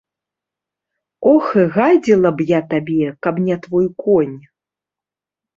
Ох і гадзіла б я табе, каб не твой конь.